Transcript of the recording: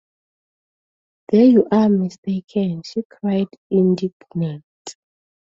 “There you are mistaken!” she cried, indignant.